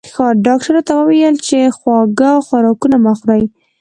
ډاکټر راته وویل چې خواږه خوراکونه مه خورئ